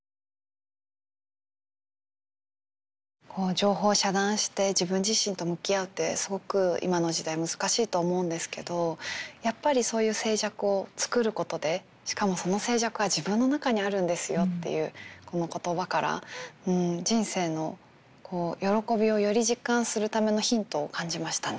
情報を遮断して自分自身と向き合うってすごく今の時代難しいと思うんですけどやっぱりそういう静寂を作ることでしかもその静寂は自分の中にあるんですよっていうこの言葉から人生の喜びをより実感するためのヒントを感じましたね。